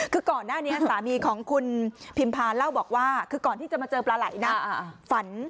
คือก่อนหน้านี้สามีของคุณพิมพาเล่าบอกว่าคือก่อนที่จะมาเจอปลาไหล่นะฝัน